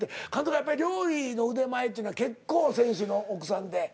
やっぱり料理の腕前っていうのは結構選手の奥さんって。